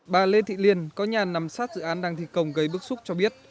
bà lê thị liên có nhà nằm sát dự án đăng thị cồng gây bức xúc cho biết